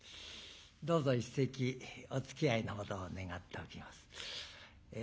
どうぞ一席おつきあいのほどを願っておきます。